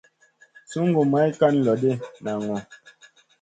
Sungu may kan loʼ ɗi, naŋu.